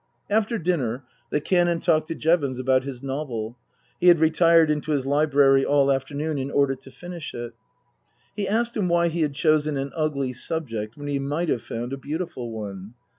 After dinner the Canon talked to Jevons about his novel. (He had retired into his library all afternoon in order to finish it.) He asked him why he had chosen an ugly subject when he might have found a beautiful one